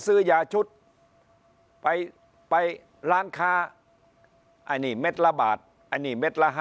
ซื้อยาชุดไปไปร้านค้าอันนี้เม็ดละบาทอันนี้เม็ดละ๕๐